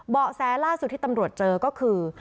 แสล่าสุดที่ตำรวจเจอก็คือ